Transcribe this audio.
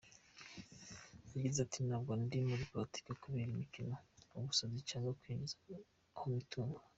Yagize ati “ Ntabwo ndi muri politike kubera imikino, ubusazi cyangwa kwigwiza ho imitungo.